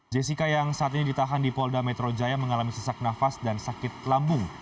jessica yang saat ini ditahan di polda metro jaya mengalami sesak nafas dan sakit lambung